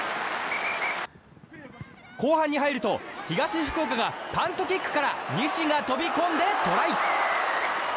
後半に入ると東福岡がパントキックから西が飛び込んでトライ！